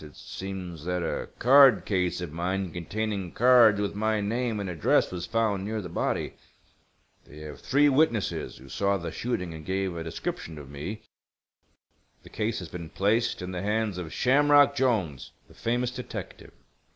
It seems that a card case of mine containing cards with my name and address was found near the body. They have three witnesses who saw the shooting and gave a description of me. The case has been placed in the hands of Shamrock Jolnes, the famous detective.